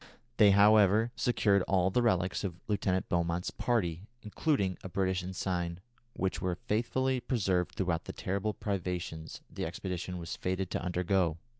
They, however, secured all the relics of Lieutenant Beaumont's party, including a British ensign, which were faithfully preserved throughout the terrible privations the expedition was fated to undergo.